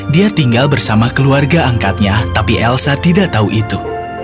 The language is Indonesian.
dia tinggal bersama keluarga angkatnya tapi elsa tidak tahu itu